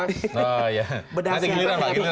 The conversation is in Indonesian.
kita lihat lapor dulu